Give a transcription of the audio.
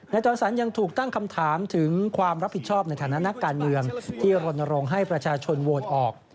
จรสันยังถูกตั้งคำถามถึงความรับผิดชอบในฐานะนักการเมืองที่รณรงค์ให้ประชาชนโหวตออก